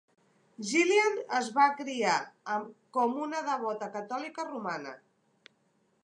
Jillian es va criar com una devota catòlica romana.